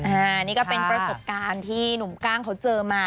อันนี้ก็เป็นประสบการณ์ที่หนุ่มก้างเขาเจอมา